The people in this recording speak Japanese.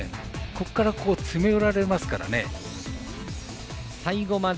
ここから詰め寄られますからね。